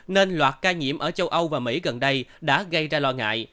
nên loạt ca nhiễm ở châu âu và mỹ gần đây đã gây ra lo ngại